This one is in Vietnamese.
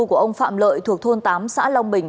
của ông phạm lợi thuộc thôn tám xã long bình